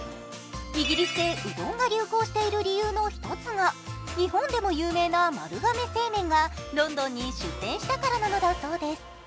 イギリスでうどんが流行している理由の１つが、日本でも有名な丸亀製麺がロンドンに出店したからなのだそうです。